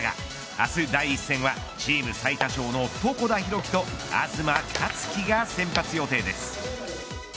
明日第１戦はチーム最多勝の床田寛樹と東克樹が先発予定です。